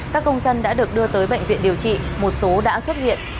các công dân đã được đưa tới bệnh viện điều trị một số đã xuất hiện